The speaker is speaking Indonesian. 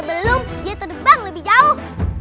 sebelum dia terbang lebih jauh